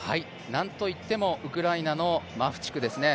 なんといってもウクライナのマフチクですね。